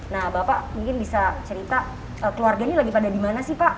nah bapak mungkin bisa cerita keluarganya lagi pada dimana sih pak